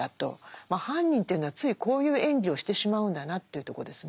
犯人というのはついこういう演技をしてしまうんだなというとこですね。